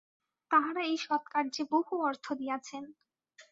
তাঁহারা এই সৎকার্যে বহু অর্থ দিয়াছেন।